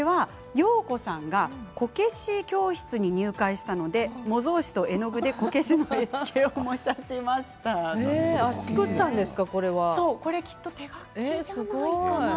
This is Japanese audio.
ようこさんがこけし教室に入会したので模造紙と絵の具でこけしの絵付けをしたこれは作ったんですね。